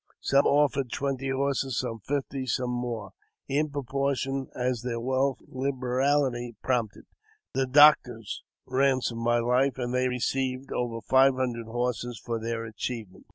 Some offered twenty horses, some fifty, some more, in proportion as their wealth or liberahty prompted. The doctors ransomed my life, and they received over five hundred horses for their achievement.